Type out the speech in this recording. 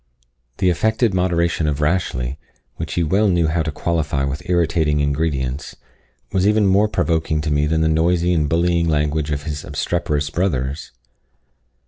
The affected moderation of Rashleigh, which he well knew how to qualify with irritating ingredients, was even more provoking to me than the noisy and bullying language of his obstreperous brothers.